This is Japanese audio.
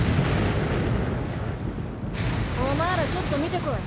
お前らちょっと見てこい。